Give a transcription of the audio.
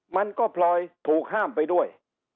มันก็พลอยถูกห้ามไปด้วย